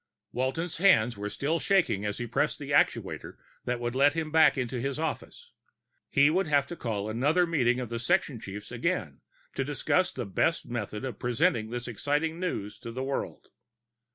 _ Walton's hands were still shaking as he pressed the actuator that would let him back into his office. He would have to call another meeting of the section chiefs again, to discuss the best method of presenting this exciting news to the world.